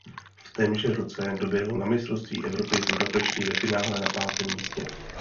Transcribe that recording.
V témže roce doběhl na mistrovství Evropy v Budapešti ve finále na pátém místě.